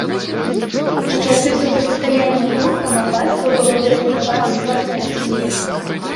У часы супрацьстаяння туркам абацтва было перабудавана ў фартэцыю.